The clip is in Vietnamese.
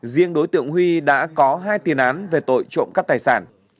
riêng đối tượng huy đã có hai tiền án về tội trộm cắp tài sản